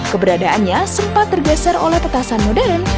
keberadaannya sempat tergeser oleh petasan modern